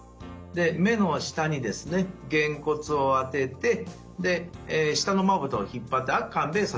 で目の下にですねげんこつをあててで下のまぶたを引っ張ってあっかんべーさせます。